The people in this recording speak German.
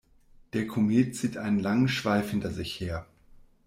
Der Komet zieht einen langen Schweif hinter sich her.